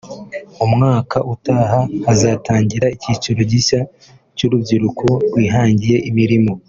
mu mwaka utaha hazatangira icyiciro gishya cy’urubyiruko rwihangiye imirimo